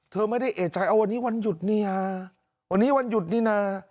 เธอไม่ได้เอกใจเอาวันนี้วันหยุดเนี่ยวันนี้วันหยุดนี่นะ